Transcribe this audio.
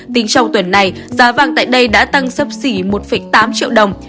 tính trong tuần này giá vàng tại đây đã tăng sấp xỉ một tám triệu đồng